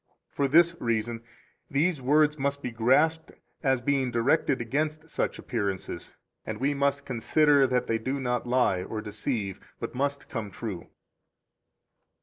For this reason, these words must be grasped as being directed against such appearances; and we must consider that they do not lie or deceive, but must come true.